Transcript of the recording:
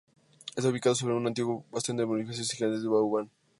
Está ubicado sobre un antiguo bastión de las fortificaciones gigantescas de Vauban.